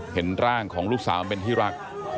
เห็นร่างของลูกสาวเป็นที่รัก